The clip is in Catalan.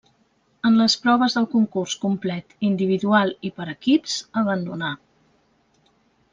En les proves del concurs complet individual i per equips abandonà.